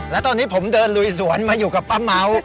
และตอนนี้ผมเดินลุยสวนมาอยู่กับป้าเม้า